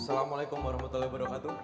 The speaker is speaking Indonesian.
assalamualaikum warahmatullahi wabarakatuh